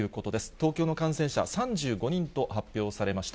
東京の感染者３５人と発表されました。